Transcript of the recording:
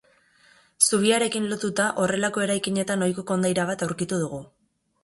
Zubiarekin lotuta horrelako eraikinetan ohiko kondaira bat aurkitu dugu.